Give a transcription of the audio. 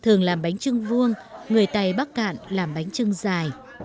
người tài làm bánh trưng vuông người tài bắc cạn làm bánh trưng dài